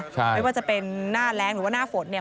ไม่ว่าจะเป็นหน้าแรงหรือว่าหน้าฝนเนี่ย